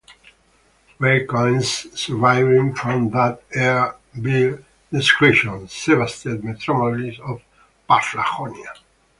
Rare coins surviving from that era bear the inscriptions "Sebaste Metropolis of Paphlagonia".